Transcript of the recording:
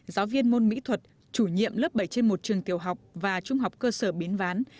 giáo viên môn mỹ thuật chủ nhiệm lớp bảy trên một trường tiểu học và trung học cơ sở bến ván